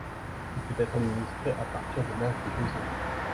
Il peut être administré à partir de l’âge de deux ans.